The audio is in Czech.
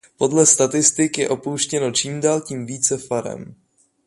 Podle statistik je opouštěno čím dál tím více farem.